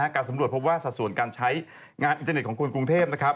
การสำรวจพบว่าส่าส่วนการใช้งานอิจเนตของคนกรุงเทพฯ